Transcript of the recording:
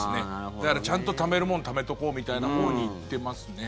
だから、ちゃんとためるもんためとこうみたいなほうに行ってますね。